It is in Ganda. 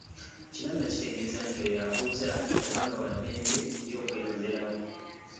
Kino nno kitegeeza nti oyo abuuza yabanga wa ddembe ye okwelondera.